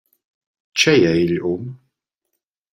Tgei ei igl um?